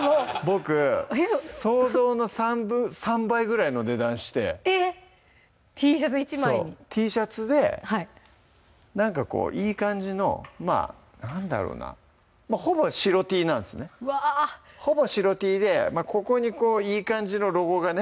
想像の３倍ぐらいの値段してＴシャツ１枚にそうＴシャツでなんかこういい感じのまぁ何だろうなまぁほぼ白Ｔなんすねほぼ白Ｔでここにこういい感じのロゴがね